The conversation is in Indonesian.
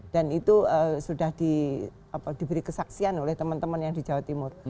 dan itu sudah diberi kesaksian oleh teman teman yang di jawa timur